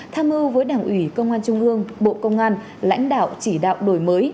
tham mưu với đảng ủy công an trung ương bộ công an lãnh đạo chỉ đạo đổi mới